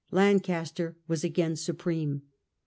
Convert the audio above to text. Lancaster was again supreme.